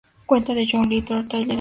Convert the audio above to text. Cuenta de John Lloyd Taylor en Twitter